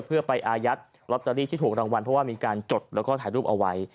เพื่อไปอายัดลอตเตอรี่ที่ถูกรางวัลเพราะว่ามีการจดแล้วก็ถ่ายรูปเอาไว้